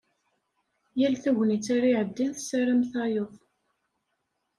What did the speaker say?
Yal tagnit ara iɛeddin tessaram tayeḍ.